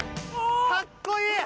かっこいい！